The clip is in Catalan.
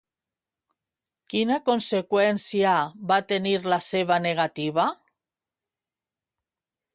Quina conseqüència va tenir la seva negativa?